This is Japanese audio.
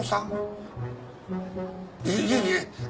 いえいえ。